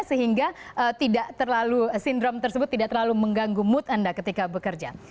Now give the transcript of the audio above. sehingga tidak terlalu sindrom tersebut tidak terlalu mengganggu mood anda ketika bekerja